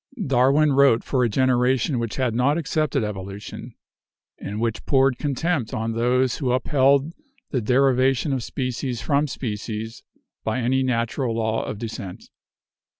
Darwin wrote for a generation which had not accepted evolution, and which poured contempt on those who upheld the derivation of species from species by any natural law of descent.